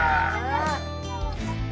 ああ！